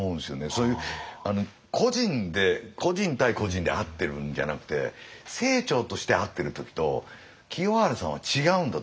そういう個人で個人対個人で会ってるんじゃなくて清張として会ってる時と清張さんは違うんだと僕は。